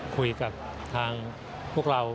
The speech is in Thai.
คุยกับทางพวกเรา